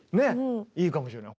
いいかもしれない。